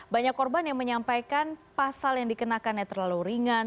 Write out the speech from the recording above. banyak korban yang menyampaikan pasal yang dikenakannya terlalu ringan